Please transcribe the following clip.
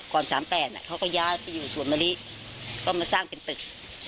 ก่อนสามแปดน่ะเขาก็ย้ายไปอยู่ส่วนมาริก็มาสร้างเป็นตึก